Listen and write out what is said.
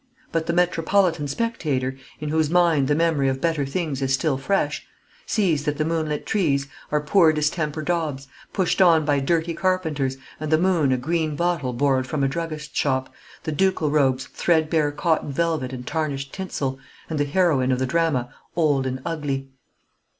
But the metropolitan spectator, in whose mind the memory of better things is still fresh, sees that the moonlit trees are poor distemper daubs, pushed on by dirty carpenters, and the moon a green bottle borrowed from a druggist's shop, the ducal robes threadbare cotton velvet and tarnished tinsel, and the heroine of the drama old and ugly.